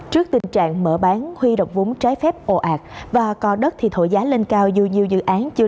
trước tình trạng mở bán huy động vốn trái phép ồ ạt và cò đất thổi giá lên cao dù nhiều dự án chưa